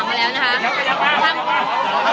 คุณตัวผู้ต้องหามาแล้วนะคะ